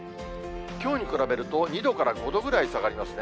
きょうに比べると２度から５度ぐらい下がりますね。